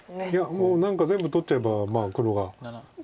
もう何か全部取っちゃえば黒がいいでしょう。